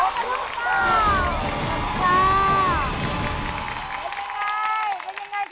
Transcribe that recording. ขอบคุณครับ